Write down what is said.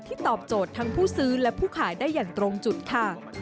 ตอบโจทย์ทั้งผู้ซื้อและผู้ขายได้อย่างตรงจุดค่ะ